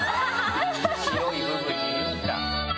白い部分にいるんだ。